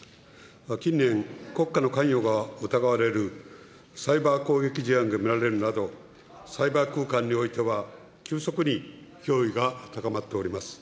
近年、国家の関与が疑われるサイバー攻撃事案が見られるなど、サイバー空間においては、急速に脅威が高まっております。